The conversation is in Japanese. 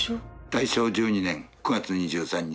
大正１２年９月２３日。